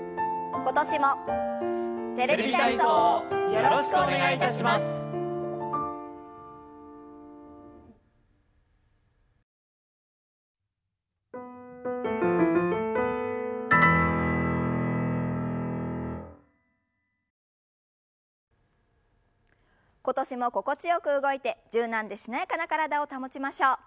今年も心地よく動いて柔軟でしなやかな体を保ちましょう。